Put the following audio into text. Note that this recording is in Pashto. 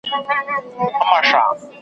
په هغه اندازه پر غوږونو ښه لګیږي .